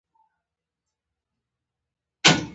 ازادي راډیو د د اوبو منابع په اړه د اقتصادي اغېزو ارزونه کړې.